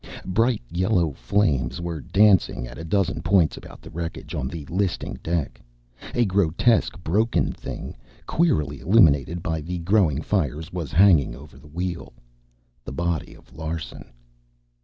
Bright yellow flames were dancing at a dozen points about the wreckage on the listing deck. A grotesque broken thing, queerly illuminated by the growing fires, was hanging over the wheel the body of Larsen.